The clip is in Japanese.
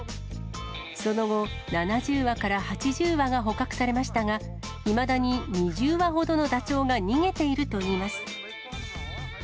その後、７０羽から８０羽が捕獲されましたが、いまだに２０羽ほどのダチョウが逃げているといいます。